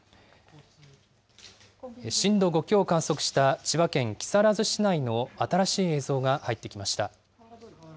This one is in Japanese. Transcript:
震度５強を観測した千葉県木更津市内の新しい映像が入ってきました。